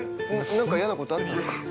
なんか嫌なことあったんですか？